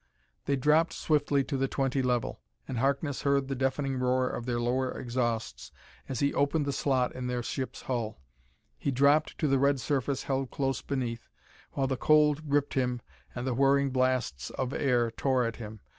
They dropped swiftly to the twenty level, and Harkness heard the deafening roar of their lower exhausts as he opened the slot in their ship's hull. He dropped to the red surface held close beneath, while the cold gripped him and the whirling blasts of air tore at him.